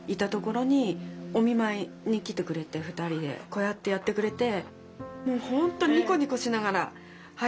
こうやってやってくれて。